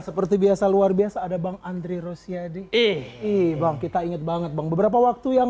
seperti biasa luar biasa ada bang andri rosyadi eh ibang kita inget banget bang beberapa waktu yang